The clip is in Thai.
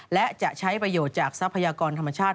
และจะใช้ประโยชน์จากทรัพยากรธรรมชาติ